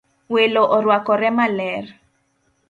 Welo orwakore maler